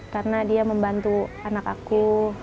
karena dia membantu anak aku